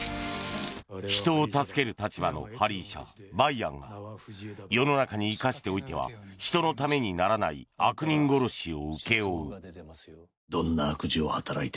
人を助ける立場のはり医者梅安が世の中に生かしておいては人のためにならない悪人殺しを請け負う。